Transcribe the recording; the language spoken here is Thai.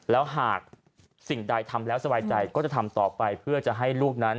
แล้วหากสิ่งใดทำแล้วสไหวใจ